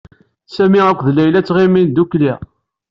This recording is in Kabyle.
Sami ed Layla ttɣimin ddukkli.